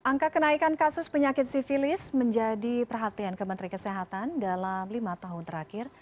angka kenaikan kasus penyakit sivilis menjadi perhatian kementerian kesehatan dalam lima tahun terakhir